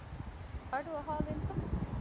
އަޑު އަހާލިންތަ؟